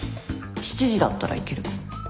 ７時だったら行けるかも。